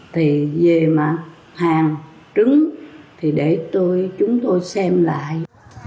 thì về mặt hàng trứng thì để chúng tôi xem lại